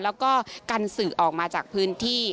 แล้วก็กันสื่อออกมาจากพื้นที่